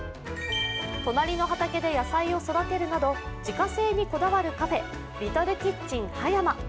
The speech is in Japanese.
隣の畑で野菜を育てるなど自家製にこだわるカフェリトルキッチンＨＡ・ＹＡ・ＭＡ。